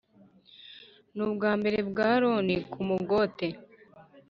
n’ubwa mbere bwa loni ku mugote